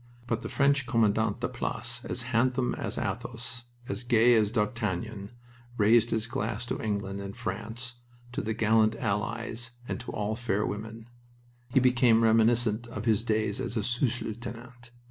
But the French commandant de place, as handsome as Athos, as gay as D'Artagnan, raised his glass to England and France, to the gallant Allies, and to all fair women. He became reminiscent of his days as a sous lieutenant.